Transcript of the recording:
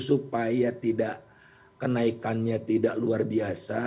supaya tidak kenaikannya tidak luar biasa